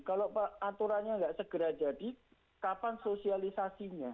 kalau aturannya nggak segera jadi kapan sosialisasinya